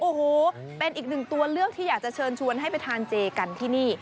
โอ้โหเป็นอีกหนึ่งตัวเลือกที่อยากจะเชิญชวนให้ไปทานเจกันที่นี่